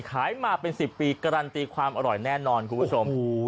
ขายมาเป็น๑๐ปีการันตีความอร่อยแน่นอนคุณผู้ชม